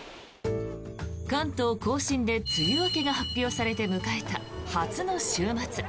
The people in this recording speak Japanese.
関東・甲信で梅雨明けが発表されて迎えた初の週末。